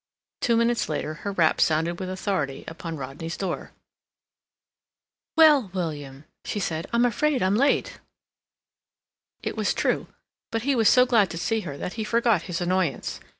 Two minutes later her rap sounded with authority upon Rodney's door. "Well, William," she said, "I'm afraid I'm late." It was true, but he was so glad to see her that he forgot his annoyance.